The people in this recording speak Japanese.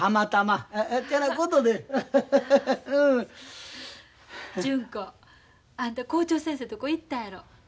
あんた校長先生とこ行ったやろ。